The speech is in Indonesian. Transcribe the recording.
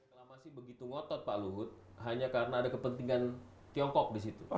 reklamasi begitu ngotot pak luhut hanya karena ada kepentingan tiongkok disitu